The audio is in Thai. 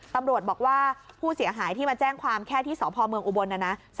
ตำรวจบอกว่าผู้เสียหายที่มาแจ้งความแค่ที่สพเมืองอุบลนะนะ